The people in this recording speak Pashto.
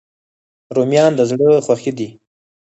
رومیان د زړه خوښي دي